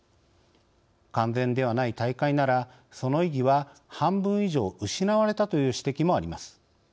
完全ではない大会ならその意義は半分以上失われたという指摘もあります。